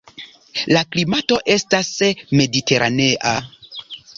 La klimato estas mediteranea.